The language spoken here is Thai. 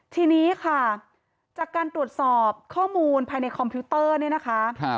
ทีนี้ค่ะจากการตรวจสอบข้อมูลภายในคอมพิวเตอร์เนี่ยนะคะ